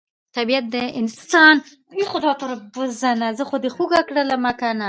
طبیعت د انسان ذهن ته ارامتیا وربخښي